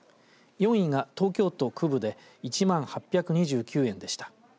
４位が東京都区部で１万８２９円でした。